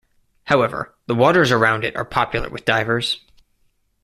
However, the waters around it are popular with divers.